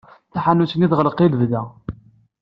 Taḥanut-nni teɣleq i lebda.